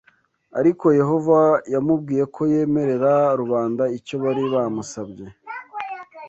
Ariko Yehova yamubwiye ko yemerera rubanda icyo bari bamusabye